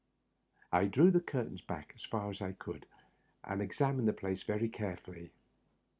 I drew the curtains back aa far as I could, and examined the place very carefully.